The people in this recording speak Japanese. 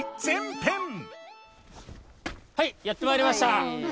はいやってまいりました。